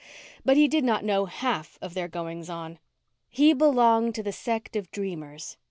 But he did not know the half of their goings on. He belonged to the sect of dreamers.